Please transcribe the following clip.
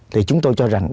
thì chúng tôi cho rằng